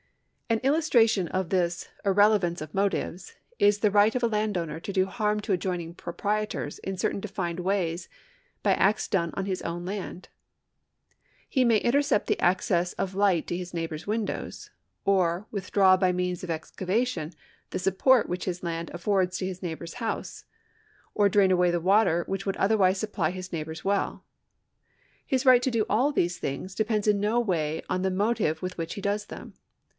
An illustration of this irrelevance of motives is the right of a landowner to do harm to adjoining proprietors in certain defined ways by acts done on his own land. He may inter cept the access of light to his neighbour's windows, or with draw by means of excavation the support which his land affords to his neighbour's house, or drain away the water which would otherwise supply his neighbour's well. His right to do all these things depends in no way on the motive with which he does them.